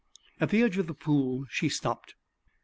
At the edge of the pool she stopped.